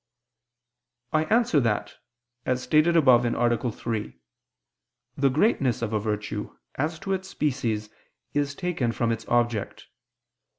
I answer that, As stated above (A. 3), the greatness of a virtue, as to its species, is taken from its object.